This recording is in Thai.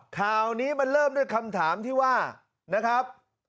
ข่าวนี้มันเริ่มด้วยคำถามที่ว่านะครับ